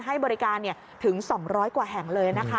ให้บริการถึง๒๐๐กว่าแห่งเลยนะคะ